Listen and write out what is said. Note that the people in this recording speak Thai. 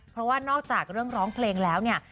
เพราะว่านอกจากเรื่องร้องเพลงแล้วเนี่ย